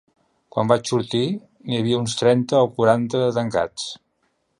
Quan vaig sortir n’hi havia uns trenta o quaranta de tancats.